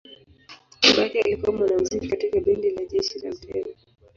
Babake alikuwa mwanamuziki katika bendi la jeshi la mtemi.